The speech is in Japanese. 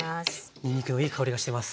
にんにくのいい香りがしてます。